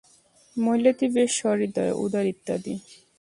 মহিলাটি বেশ সহৃদয়, উদার ইত্যাদি।